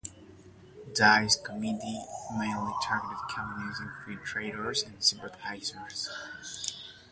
Dies committee mainly targeted communist infiltrators and sympathizers.